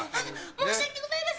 申し訳ございません。